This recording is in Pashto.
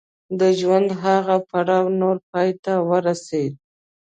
د ژوند هغه پړاو نور پای ته ورسېد.